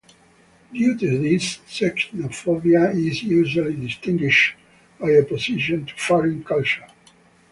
Due to this, xenophobia is usually distinguished by opposition to foreign culture.